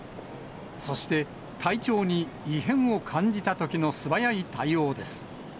そして、体調に異変を感じたときの素早い対応です。